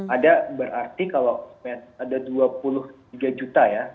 ada berarti kalau ada dua puluh tiga juta ya